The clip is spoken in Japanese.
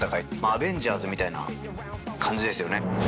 『アベンジャーズ』みたいな感じですよね。